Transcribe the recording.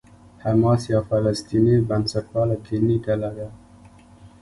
حماس یوه فلسطیني بنسټپاله دیني ډله ده.